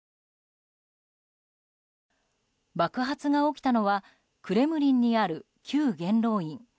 爆発が起きたのはクレムリンにある旧元老院。